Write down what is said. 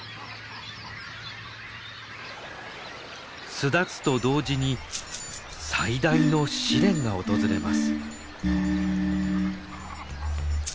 巣立つと同時に最大の試練が訪れます。